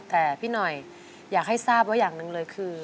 แต่พี่หน่อยอยากให้ทราบว่าอย่างหนึ่งเลยคือ